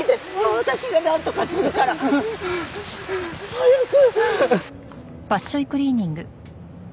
私がなんとかするから！早く！